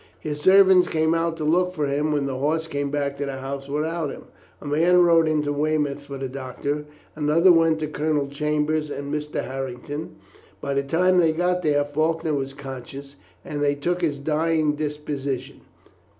His servants came out to look for him when the horse came back to the house without him. A man rode into Weymouth for the doctor, and another went to Colonel Chambers and Mr. Harrington. By the time they got there Faulkner was conscious, and they took his dying deposition.